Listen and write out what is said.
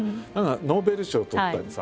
ノーベル賞をとったりさ